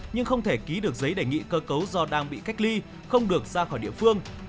nhưng không thể ký được giấy đề nghị cơ cấu do đang bị cách ly không được ra khỏi địa phương